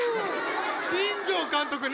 新庄監督ね。